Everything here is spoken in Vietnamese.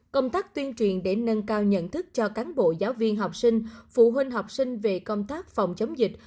công tác tuyên truyền để nâng cao nhận thức cho cán bộ giáo viên học sinh phụ huynh học sinh về công tác phòng chống dịch